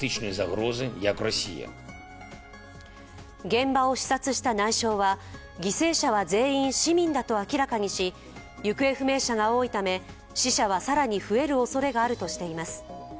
現場を視察した内相は犠牲者は全員市民だと明らかにし行方不明者が多いため死者は更にふえるおそれがあるとしています。